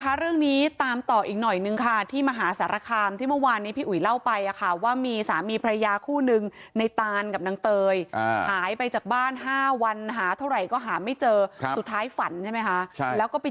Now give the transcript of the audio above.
เรื่องนี้ตามต่ออีกหน่อยนึงค่ะที่มหาสารคามที่เมื่อวานนี้พี่อุ๋ยเล่าไปอ่ะค่ะว่ามีสามีพระยาคู่นึงในตานกับนางเตยหายไปจากบ้าน๕วันหาเท่าไหร่ก็หาไม่เจอสุดท้ายฝันใช่ไหมคะใช่แล้วก็ไป